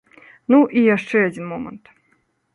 Ну, і яшчэ адзін момант.